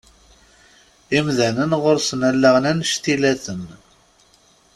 Imdanen ɣuṛ-sen allaɣen annect-ilaten.